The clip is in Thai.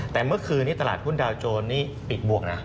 แต่เมื่อคืนนี้ตลาดหุ้นดาวโจรนี่ปิดบวกนะ